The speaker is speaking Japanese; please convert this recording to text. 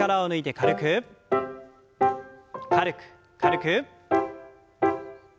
軽く軽く。